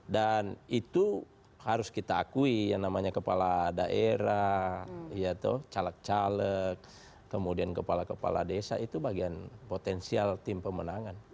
dan itu harus kita akui yang namanya kepala daerah caleg caleg kemudian kepala kepala desa itu bagian potensial tim pemenangan